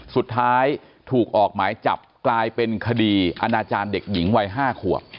สุดท้ายถูกออกหมายจับกลายเป็นคดีอาณาจารย์เด็กหญิงวัย๕ขวบ